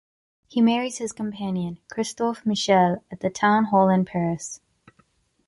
He marries his companion, Christophe Michel, at the town hall in Paris.